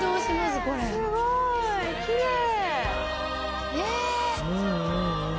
すごい。